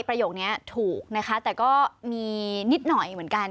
ประโยคนี้ถูกนะคะแต่ก็มีนิดหน่อยเหมือนกัน